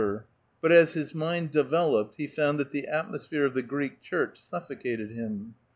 VI PREFA CE. but as his mind developed, he found that the atmosphere of the Greek Church sutlbcated him.